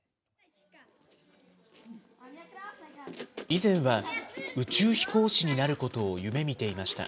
以前は、宇宙飛行士になることを夢みていました。